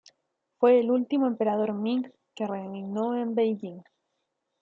Fue el último emperador Ming que reinó en Beijing.